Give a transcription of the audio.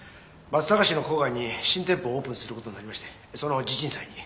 松阪市の郊外に新店舗をオープンする事になりましてその地鎮祭に。